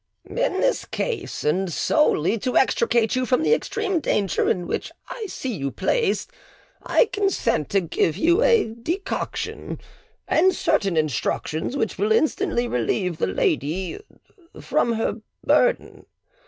"In this case, and solely to extricate you from the extreme danger in which I see you placed, I consent to give you a decoction, and certain instructions, which will instantly relieve the lady from her burden.